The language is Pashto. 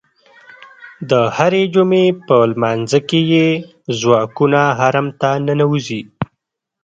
د هرې جمعې په لمانځه کې یې ځواکونه حرم ته ننوځي.